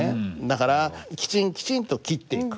だからきちんきちんと切っていく。